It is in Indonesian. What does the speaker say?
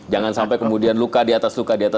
jangan sampai kemudian luka di atas luka